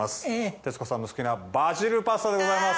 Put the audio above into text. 徹子さんの好きなバジルパスタでございます。